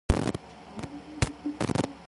It raises money through donations on its website.